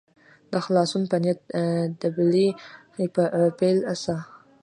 د خلاصون په نیت دبلي په پیل سه.